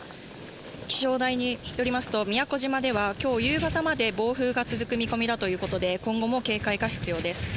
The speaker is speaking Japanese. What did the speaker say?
気象台によりますと、宮古島ではきょう夕方まで暴風が続く見込みだということで、今後も警戒が必要です。